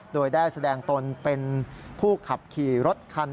โดยได้แสดงตนเป็นผู้ขับขี่รถคัน